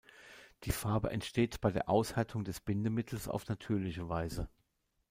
Die Farbe entsteht bei der Aushärtung des Bindemittels auf natürliche Weise.